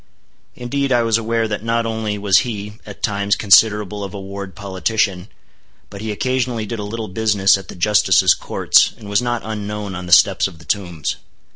Indeed I was aware that not only was he, at times, considerable of a ward politician, but he occasionally did a little business at the Justices' courts, and was not unknown on the steps of the Tombs.